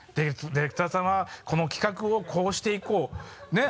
ディレクターさんはこの企画をこうしていこう。ねぇ？